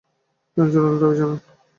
তিনি জোরালো দাবি জানান।